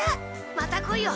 また来いよ！